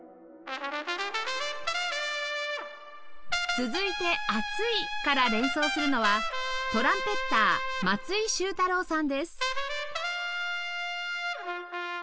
続いて「暑い」から連想するのはトランペッター松井秀太郎さんです